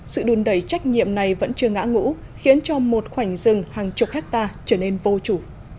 sự đùn đẩy trách nhiệm này vẫn chưa ngã ngũ khiến cho một khoảnh rừng hàng chục hectare trở nên vô chủ